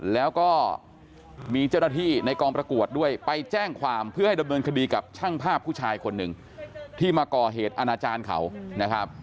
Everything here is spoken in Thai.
แล้วก็มีเจ้าหน้าที่ในกองประกวดด้วยไปแจ้งความเพื่อให้ดำเนินคดีกับช่างภาพผู้ชายคนหนึ่งที่มาก่อเหตุอาณาจารย์เขานะครับ